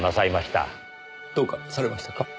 どうかされましたか？